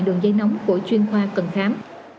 đường dây nóng của chuyên khoa cần khám